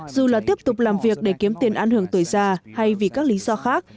dù là tiếp tục làm việc để kiếm tiền ăn hưởng tuổi già hay vì các lý do khác